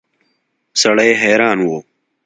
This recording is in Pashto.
سړی حیران و.